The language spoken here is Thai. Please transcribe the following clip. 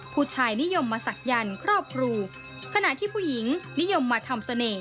ผู้ชายนิยมมาศักยันต์ครอบครูขณะที่ผู้หญิงนิยมมาทำเสน่ห